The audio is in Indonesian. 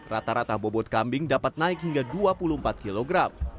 rata rata bobot kambing dapat naik hingga dua puluh empat kg